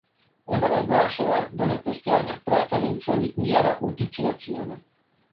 Она наглашава да непостојање преференцијалних мјера утиче на цијене.